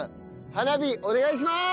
花火お願いします！